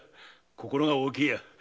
心が大きいや。